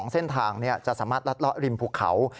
เส้นทางจะสามารถลัดเลาะริมภูเขา